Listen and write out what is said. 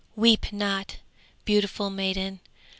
'Weep not, beautiful maiden.